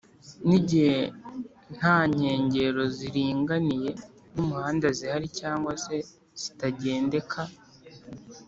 nigihe ntankengero ziringaniye n’umuhanda zihari cg se zitagendeka